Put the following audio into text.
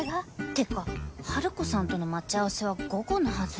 ってかハルコさんとの待ち合わせは午後のはず